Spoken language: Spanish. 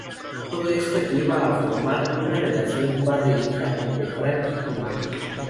Todo esto lleva a formar una relación padre-hija entre Frankie y Maggie.